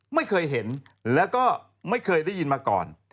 ไม่เคยเห็นแล้วก็ไม่เคยได้ยินมาก่อน